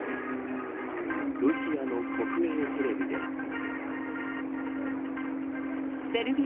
ロシアの国営テレビでは。